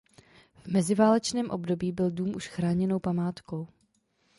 V meziválečném období byl dům už chráněnou památkou.